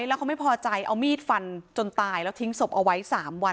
แล้วเขาไม่พอใจเอามีดฟันจนตายแล้วทิ้งศพเอาไว้๓วัน